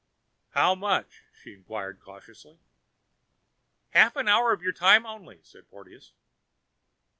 "How much?" she inquired cautiously. "A half hour of your time only," said Porteous.